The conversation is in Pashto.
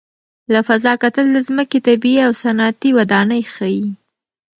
له فضا کتل د ځمکې طبیعي او صنعتي ودانۍ ښيي.